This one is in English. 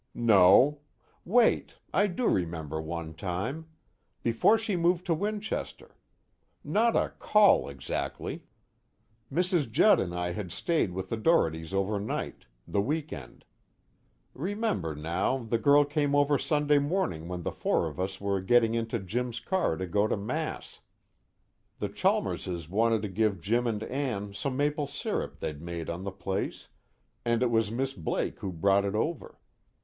"No. Wait I do remember one time. Before she moved to Winchester. Not a call exactly. Mrs. Judd and I had stayed with the Dohertys overnight, the weekend. Remember now, the girl came over Sunday morning when the four of us were getting into Jim's car to go to Mass. The Chalmerses wanted to give Jim and Ann some maple syrup they'd made on the place, and it was Miss Blake who brought it over.